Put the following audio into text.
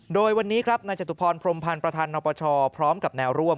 โดยวันนี้ครับนายจตุพรพรมพันธ์ประธานนปชพร้อมกับแนวร่วม